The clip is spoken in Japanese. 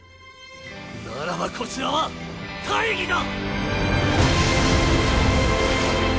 ならばこちらは大義だ！